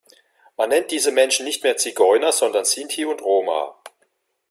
Man nennt diese Menschen nicht mehr Zigeuner, sondern Sinti und Roma.